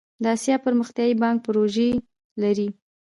د اسیا پرمختیایی بانک پروژې لري